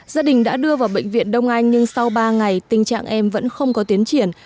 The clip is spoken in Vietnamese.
gia đình đã đưa vào bệnh viện đông anh nhưng sau ba ngày tình trạng em vẫn không có tiến triển